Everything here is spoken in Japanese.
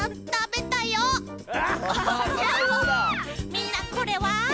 みんなこれは。